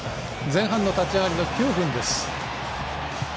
前半の立ち上がりの９分です。